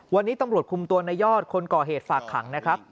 วันนี้ตำรวจคุมตัวในยอดคนก่อเหตุฝากขังนะครับ